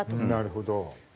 なるほど。